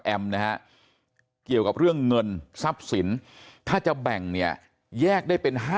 แอมนะเกี่ยวกับเรื่องเงินทรัพษศิลป์ถ้าจะแบ่งเนี่ยแยกได้เป็น